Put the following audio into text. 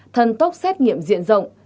ba thần tốc xét nghiệm diện rộng